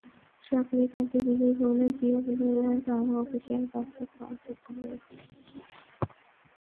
সরকারি কাজে বিদেশ ভ্রমণের জিও পেলে তাঁরা অফিশিয়াল পাসপোর্ট পাওয়ার যোগ্য হবেন।